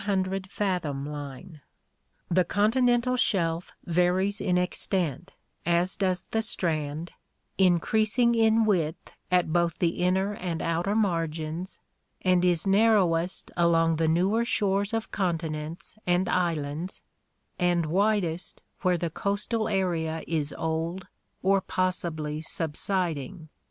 BATHYMETRIC DISTRIBUTION 71 The continental shelf varies in extent, as does the strand, in creasing in width at both the inner and outer margins, and is nar rowest along the newer shores of continents and islands and widest where the coastal area is old or possibly subsiding.